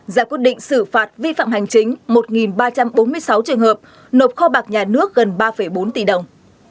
giả quyết định xử phạt vi phạm hành chính một ba trăm bốn mươi sáu trường hợp nộp kho bạc nhà nước gần ba bốn tỷ đồng